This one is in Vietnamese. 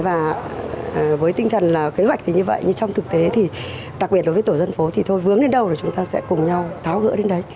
và với tinh thần là kế hoạch thì như vậy nhưng trong thực tế thì đặc biệt đối với tổ dân phố thì thôi vướng đến đâu là chúng ta sẽ cùng nhau tháo gỡ đến đấy